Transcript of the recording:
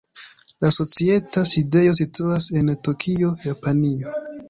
La societa sidejo situas en Tokio, Japanio.